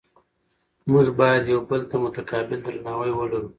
موږ باید یو بل ته متقابل درناوی ولرو